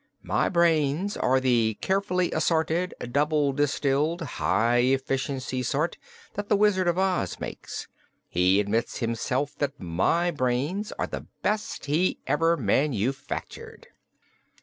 "My brains are the Carefully Assorted, Double Distilled, High Efficiency sort that the Wizard of Oz makes. He admits, himself, that my brains are the best he ever manufactured."